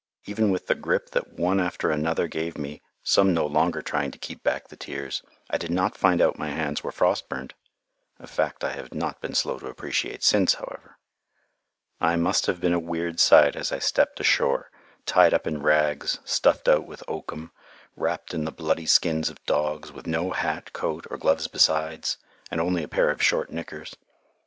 Even with the grip that one after another gave me, some no longer trying to keep back the tears, I did not find out my hands were frost burnt, a fact I have not been slow to appreciate since, however. I must have been a weird sight as I stepped ashore, tied up in rags, stuffed out with oakum, wrapped in the bloody skins of dogs, with no hat, coat, or gloves besides, and only a pair of short knickers.